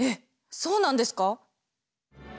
そうなんですか？